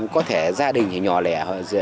có thể gia đình nhỏ lẻ